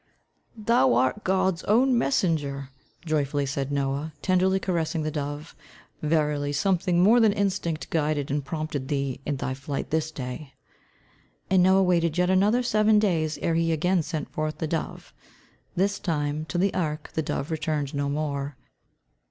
"Thou art God's own messenger," joyfully said Noah, tenderly caressing the dove. "Verily something more than instinct guided and prompted thee in thy flight this day." And Noah waited yet another seven days ere he again sent forth the dove. This time, to the ark, the dove returned no more.